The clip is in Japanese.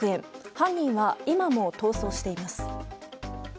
犯人は今も逃走しています。